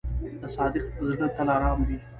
د صادق زړه تل آرام وي.